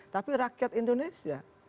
tapi rakyat indonesia